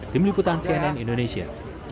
dimelebutan cnn indonesia